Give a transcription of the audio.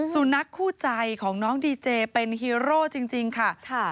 สุนัขคู่ใจของน้องดีเจเป็นฮีโร่จริงค่ะ